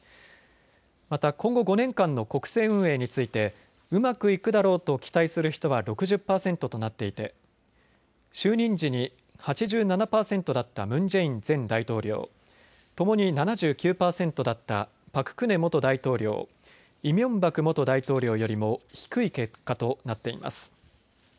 また今後５年間の国政運営についてうまくいくだろうと期待する人は６０％となっていて就任時に８７％だったムン・ジェイン前大統領、ともに７９％だったパク・クネ元大統領、イ・ミョンバク元大統領よりも低い結果となっています。